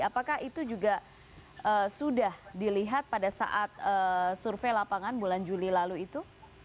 apakah itu juga sudah dilihat pada saat survei lapangan bulan juli lalu itu